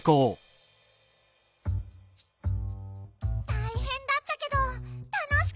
たいへんだったけどたのしかったッピ！